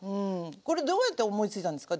これどうやって思いついたんですか？